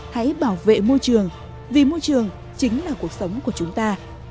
hãy bảo vệ môi trường vì môi trường chính là cuộc sống của chúng ta